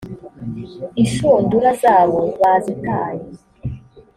inshundura zabo bazitaye